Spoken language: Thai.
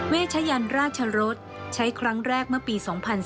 ชยันราชรสใช้ครั้งแรกเมื่อปี๒๔